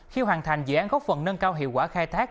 dự án góp phần nâng cao hiệu quả khai thác